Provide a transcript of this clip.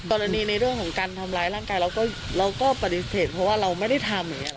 ในเรื่องของการทำร้ายร่างกายเราก็ปฏิเสธเพราะว่าเราไม่ได้ทำอย่างนี้